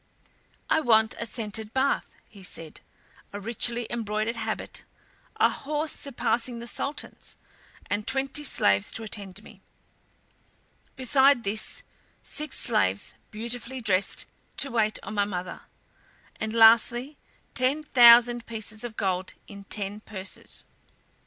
"I want a scented bath," he said, "a richly embroidered habit, a horse surpassing the Sultan's, and twenty slaves to attend me. Besides this, six slaves, beautifully dressed, to wait on my mother; and lastly, ten thousand pieces of gold in ten purses."